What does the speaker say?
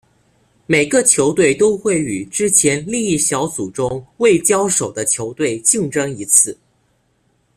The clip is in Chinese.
每个球队都会与之前另一小组中未交手的球队竞争一次。